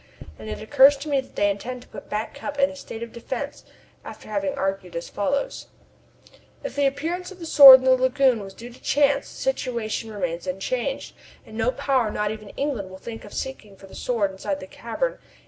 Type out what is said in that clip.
And it occurs to me that they intend to put Back Cup in a state of defence after having argued as follows: "If the appearance of the Sword in the lagoon was due to chance the situation remains unchanged, and no power, not even England, will think of seeking for the Sword inside the cavern.